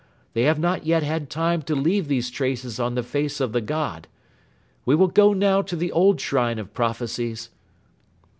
They have not yet had time to leave these traces on the face of the god. We shall go now to the old Shrine of Prophecies."